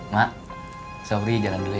mak asobri jalan dulu ya